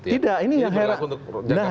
tidak ini yang heran